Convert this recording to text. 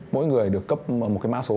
mỗi người được cấp một cái mã số